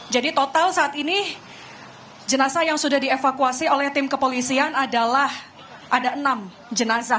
jadi total saat ini jenazah yang sudah dievakuasi oleh tim kepolisian adalah ada enam jenazah